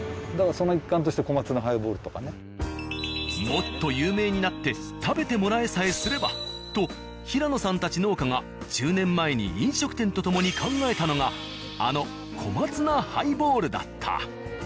もっと有名になって食べてもらえさえすればと平野さんたち農家が１０年前に飲食店と共に考えたのがあの小松菜ハイボールだった。